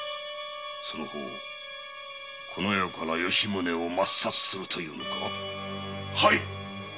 その方この世から吉宗を抹殺するというのか？